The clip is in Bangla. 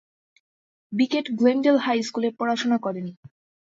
বিকেট গ্লেন্ডেল হাই স্কুলে পড়াশোনা করেন।